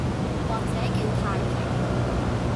或者叫太平